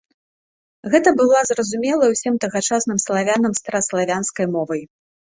Гэта была зразумелая ўсім тагачасным славянам стараславянскай мовай.